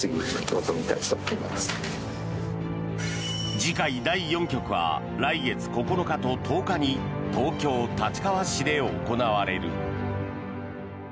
次回第４局は来月９日と１０日に東京・立川市で行われる。